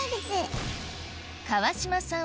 川島さん